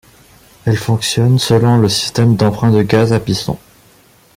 Elle fonctionne selon le système d'emprunt de gaz à piston.